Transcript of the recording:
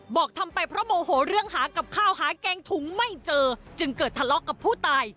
บอกทำไปเพราะโมโหเรื่องหากับข้าวหาแกงถุงไม่เจอจึงเกิดทะเลาะกับผู้ตาย